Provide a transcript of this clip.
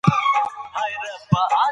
فقهاء وايي، چي متقابل معروف معاشرت لازم دی